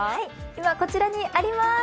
今、こちらにあります。